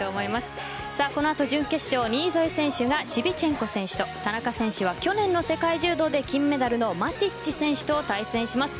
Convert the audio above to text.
この後、準決勝新添選手がシビチェンコ選手と田中選手は去年の世界柔道で金メダルのマティッチ選手と対戦します。